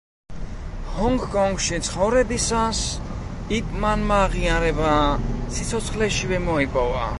ჰონგ-კონგში ცხოვრებისას იპ მანმა აღიარება სიცოცხლეშივე მოიპოვა.